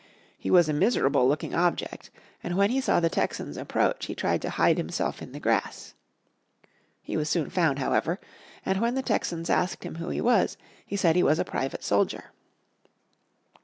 He was a miserable looking object, and when he saw the Texans approach, he tried to hide himself in the grass. He was soon found, however, and when the Texans asked him who he was he said he was a private soldier.